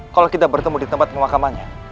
kalau kita bertemu di tempat pemakamannya